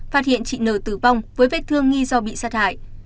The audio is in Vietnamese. phát hiện chị nờ tử vong với vết thương nghi do bị sát hại